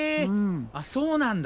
あっそうなんだ。